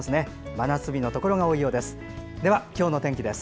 真夏日のところが多いようです。